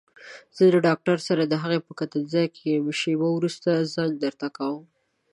زه د ډاکټر سره دهغه په کتنځي کې يم شېبه وروسته زنګ درته کوم.